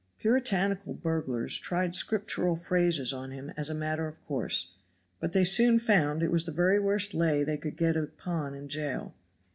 Puritanical burglars tried Scriptural phrases on him as a matter of course, but they soon found it was the very worse lay they could get upon in Jail.